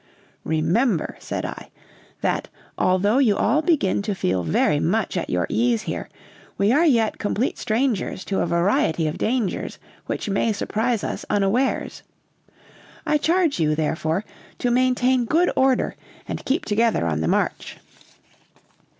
"Remember," said I, "that, although you all begin to feel very much at your ease here, we are yet complete strangers to a variety of dangers which may surprise us unawares. I charge you, therefore, to maintain good order, and keep together on the march.